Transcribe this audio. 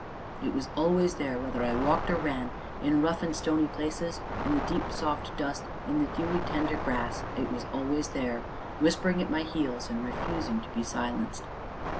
It was always there, whether I walked or ran, in rough and stony places, in the deep, soft dust, in the dewy, tender grass it was always there, whispering at my heels, and refusing to be silenced.